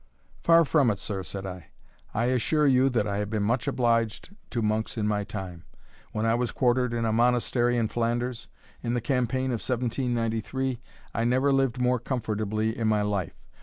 "Far from it, sir," said I; "I assure you I have been much obliged to monks in my time. When I was quartered in a Monastery in Flanders, in the campaign of 1793, I never lived more comfortably in my life.